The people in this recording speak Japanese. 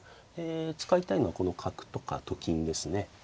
使いたいのはこの角とかと金ですね。